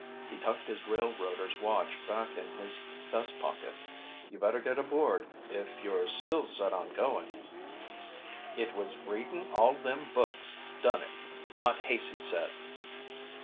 He tucked his railroader's watch back in his vest pocket. "You better get aboard if you're still set on going." "It was reading all them books done it," Aunt Haicey said.